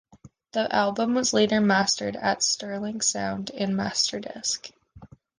The album was later mastered at Sterling Sound and Masterdisk.